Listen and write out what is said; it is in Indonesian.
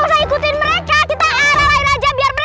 prinsip itu ditangkap sama satpol pp